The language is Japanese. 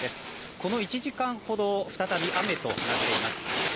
この１時間ほど再び雨となっています。